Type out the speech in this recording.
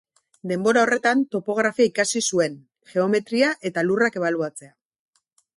Denbora horretan topografia ikasi zuen, geometria, eta lurrak ebaluatzea.